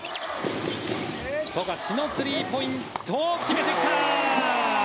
富樫のスリーポイント決めてきた。